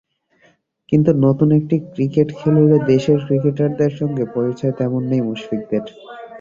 কিন্তু নতুন একটি ক্রিকেট খেলুড়ে দেশের ক্রিকেটারদের সঙ্গে পরিচয় তেমন নেই মুশফিকদের।